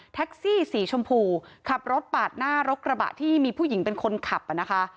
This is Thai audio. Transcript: แท็กซี่สีชมพูขับรถปาดหน้ารถกระบะที่มีผู้หญิงเป็นคนขับอ่ะนะคะ